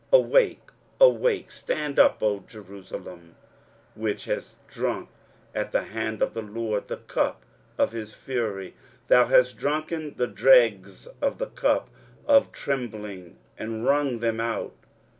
23:051:017 Awake, awake, stand up, O Jerusalem, which hast drunk at the hand of the LORD the cup of his fury; thou hast drunken the dregs of the cup of trembling, and wrung them out.